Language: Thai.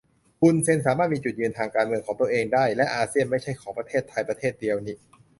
ฮุนเซนสามารถมีจุดยืนทางการเมืองของตัวเองได้ และอาเซียนไม่ใช่ของประเทศไทยประเทศเดียวนิ